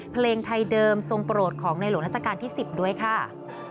เพลงไทยเดิมทรงโปรดของในหลวงราชการที่๑๐ด้วยค่ะ